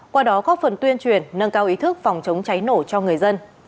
qua đó góp phần tuyên truyền nâng cao ý thức phòng chống cháy nổ cho người dân